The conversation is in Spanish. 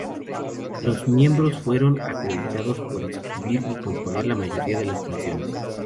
Los miembros fueron acreditados por escribir y componer la mayoría de las canciones.